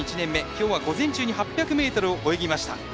今日は午前中に８００を泳ぎました井狩。